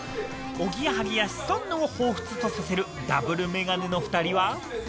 おぎやはぎやシソンヌをほうふつとさせるダブルメガネの２人は。